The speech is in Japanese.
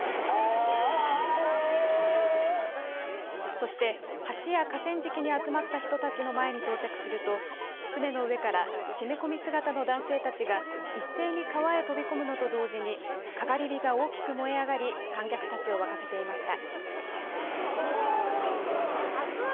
そして橋や河川敷に集まった人たちの前に到着すると舟の上から締め込み姿の男性たちが一斉に川へ飛び込むのと同時にかがり火が大きく燃え上がり観客たちを沸かせていました。